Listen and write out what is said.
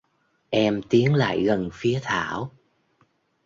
em tiến lại gần phía thảo